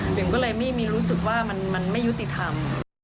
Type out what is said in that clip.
ก็เลยไม่มีรู้สึกว่ามันไม่ยุติธรรม